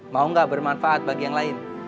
mau gak bermanfaat bagi yang lain